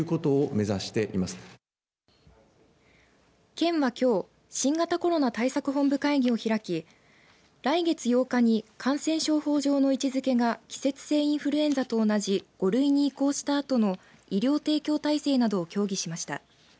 県はきょう新型コロナ対策本部会議を開き来月８日に感染症法上の位置づけが季節性インフルエンザと同じ５類に移行したあとの医療提供体制などを協議しました。